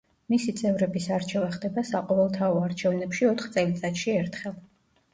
მისი წევრების არჩევა ხდება საყოველთაო არჩევნებში ოთხ წელიწადში ერთხელ.